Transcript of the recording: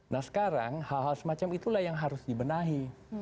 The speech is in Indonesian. nah sekarang hal hal semacam itulah yang harus dibenahi